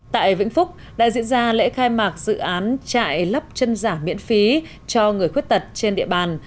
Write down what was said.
tại vĩnh phúc đã diễn ra lễ khai mạc dự án trại lắp chân giả miễn phí cho người khuyết tật trên địa bàn